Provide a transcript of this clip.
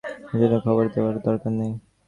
মহসিনকে খবর দেবার দরকার নেই।